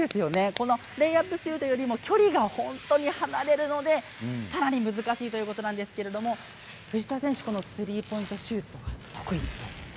このレイアップシュートよりも距離が本当に離れるのでさらに難しいということなんですけど藤澤選手、スリーポイントが得意なんですよね。